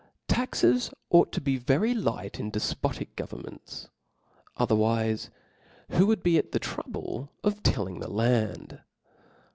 ' I ^ AXES ought to be very light in dcfpotic * governments ; otherwife who would be at the trouble of tilling the land